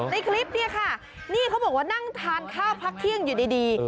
คลิปเนี่ยค่ะนี่เขาบอกว่านั่งทานข้าวพักเที่ยงอยู่ดี